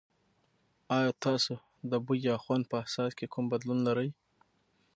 ایا تاسو د بوی یا خوند په احساس کې کوم بدلون لرئ؟